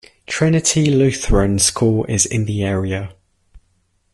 Trinity Lutheran School is in the area.